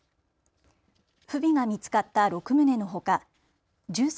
不備が見つかった６棟のほか１３